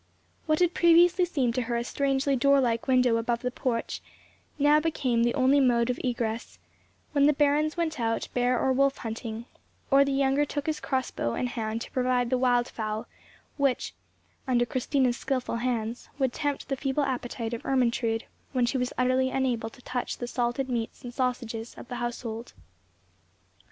What had previously seemed to her a strangely door like window above the porch now became the only mode of egress, when the barons went out bear or wolf hunting, or the younger took his crossbow and hound to provide the wild fowl, which, under Christina's skilful hands, would tempt the feeble appetite of Ermentrude when she was utterly unable to touch the salted meats and sausages of the household.